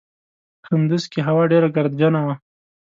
کندوز کې هوا ډېره ګردجنه وه.